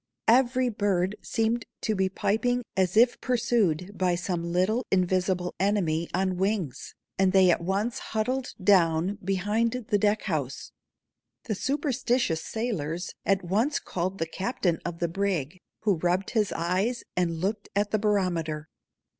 Every bird seemed to be piping as if pursued by some little invisible enemy on wings, and they at once huddled down behind the deck house. The superstitious sailors at once called the captain of the brig, who rubbed his eyes and looked at the barometer.